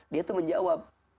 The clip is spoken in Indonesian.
dia tuh menjawab